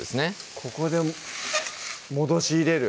ここで戻し入れる